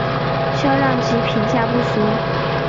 销量及评价不俗。